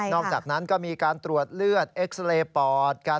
อกจากนั้นก็มีการตรวจเลือดเอ็กซาเรย์ปอดกัน